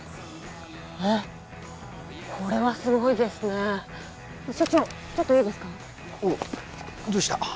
あこれはすごいですね所長ちょっといいですかおうどうした？